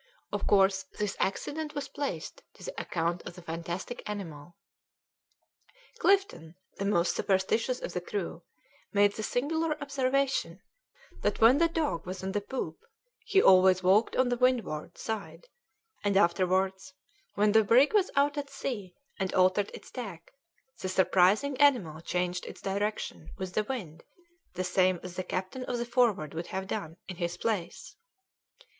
Of course this accident was placed to the account of the fantastic animal. Clifton, the most superstitious of the crew, made the singular observation that when the dog was on the poop he always walked on the windward side, and afterwards, when the brig was out at sea, and altered its tack, the surprising animal changed its direction with the wind the same as the captain of the Forward would have done in his place.